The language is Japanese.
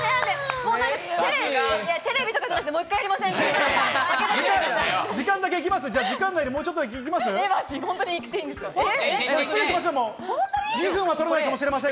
テレビとかじゃなくて、もう一回やりません？